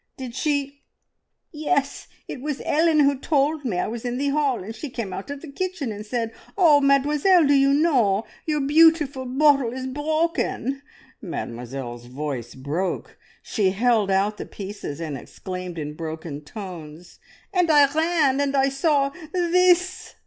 Did she " "Yes! It was Ellen who told me. I was in the hall, and she came out of the kitchen and said, `Oh, Mademoiselle, do you know? Your beautiful bottle is broken!'" Mademoiselle's voice broke; she held out the pieces and exclaimed in broken tones, "And I ran and I saw this!"